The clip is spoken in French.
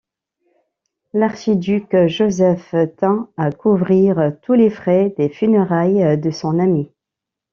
L'archiduc Joseph tint à couvrir tous les frais des funérailles de son ami.